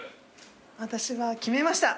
私は決めました。